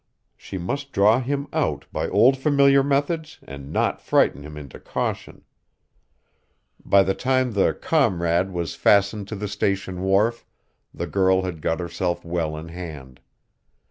She must draw him out by old familiar methods and not frighten him into caution. By the time the Comrade was fastened to the Station wharf, the girl had got herself well in hand.